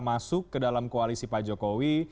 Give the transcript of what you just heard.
masuk ke dalam koalisi pak jokowi